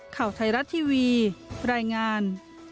ข่าวไทยรัฐทีวีรายงาน